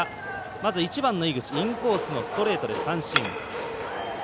まず１番の井口インコースのストレートで三振。